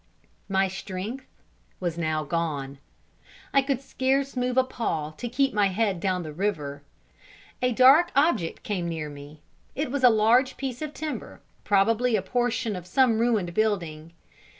My strength was now gone I could scarce move a paw to keep my head down the river. A dark object came near it was a large piece of timber, probably a portion of some ruined building.